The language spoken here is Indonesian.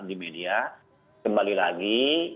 di media kembali lagi